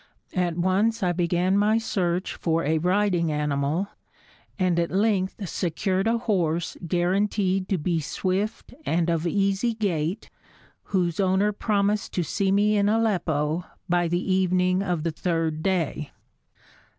At once I began my search for a riding animal, and at length secured a horse guaranteed to be swift and of easy gait, whose owner promised to see me in Aleppo by the evening of the third day.